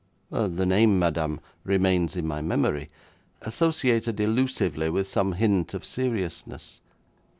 'The name, madam, remains in my memory, associated elusively with some hint of seriousness.